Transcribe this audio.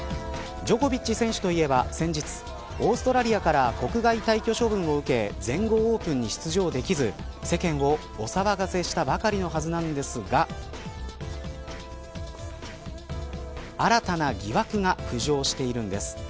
ジョコビッチ選手といえば先日オーストラリアから国外退去処分を受け全豪オープンに出場できず世間をお騒がせしたばかりのはずなんですが新たな疑惑が浮上しているんです。